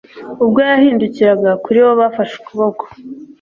Ubwo yahindukiraga kuri bo bafashe ukuboko